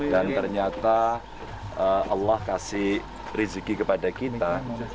ternyata allah kasih rezeki kepada kita